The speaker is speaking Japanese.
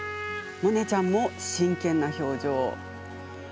モネちゃんも真剣な表情。